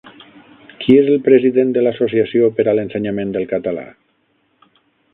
Qui és el president de l'Associació per a l'Ensenyament del Català?